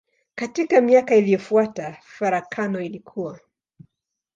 Katika miaka iliyofuata farakano ilikua.